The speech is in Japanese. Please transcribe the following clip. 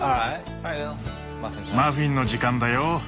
マフィンの時間だよ。